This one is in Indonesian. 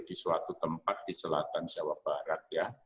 di suatu tempat di selatan jawa barat ya